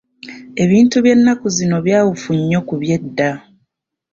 Ebintu by’ennaku zino byawufu nnyo ku by'edda.